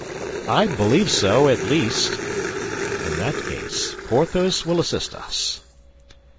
"I believe so, at least." "In that case Porthos will assist us."